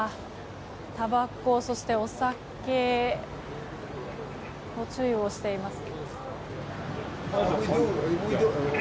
たばこ、そしてお酒の注意をしています。